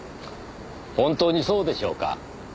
本当にそうでしょうか？